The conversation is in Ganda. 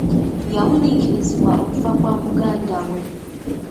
Yawuniikirizibwa okufa kwa mugandawe.